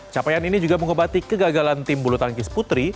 capaian ini juga mengobati kegagalan tim bulu tangkis putri